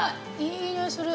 いい匂いする。